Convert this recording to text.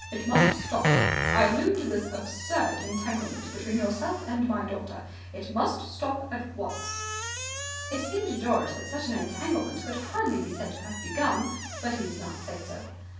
It must stop. I allude to this absurd entanglement between yourself and my daughter. It must stop at once." It seemed to George that such an entanglement could hardly be said to have begun, but he did not say so.